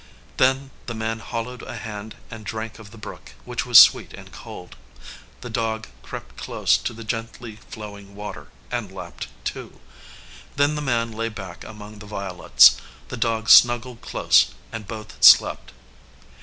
Then the man hollowed a hand and drank of the brook, which was sweet and cold. The dog crept close to the gently flowing water and lapped, too. Then the man lay back among the violets, the dog snuggled close, and both slept.